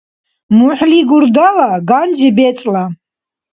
МухӀли — гурдала, ганжи — бецӀла.